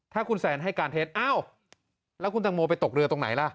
ถ้าคุณแซนให้การเท็จอ้าวแล้วคุณตังโมไปตกเรือตรงไหนล่ะ